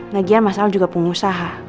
nagian mas al juga pengusaha